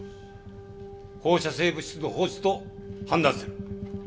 放射性物質の放出と判断する。